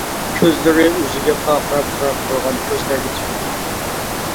كۆزلىرى ئۆزىگە پارقىراپ قاراپ تۇرغان كۆزلەرگە تىكىلدى.